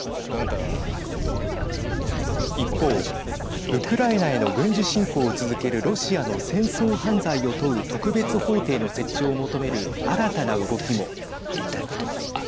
一方、ウクライナへの軍事侵攻を続けるロシアの戦争犯罪を問う特別法廷の設置を求める新たな動きも。